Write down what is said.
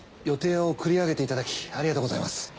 予定を繰り上げていただきありがとうございます。